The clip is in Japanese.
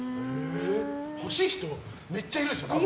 欲しい人、めっちゃいるでしょ。